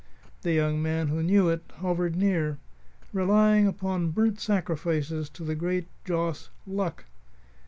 The young man who knew it hovered near, relying upon burnt sacrifices to the great joss, Luck.